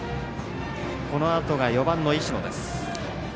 このあとが４番の石野です。